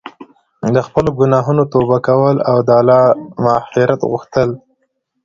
د خپلو ګناهونو توبه کول او د الله مغفرت غوښتل.